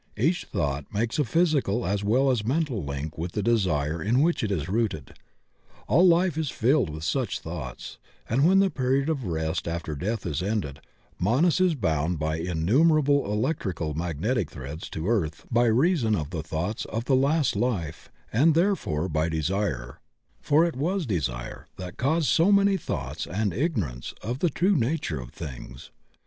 Each thought makes a physical as well as mental link with the desire in which it is rooted. All life is filled with such thoughts, and when the period of rest after death is ended Manas is bound by innumerable elec trical magnetic threads to earth by reason of the thoughts of the last life, and therefore by desire, for it was desire that caused so many thoughts and igno rance of the true nature of things.